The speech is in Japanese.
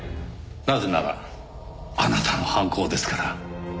なぜならあなたの犯行ですから。